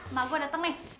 mak gue dateng nih